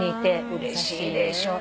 うれしいでしょ。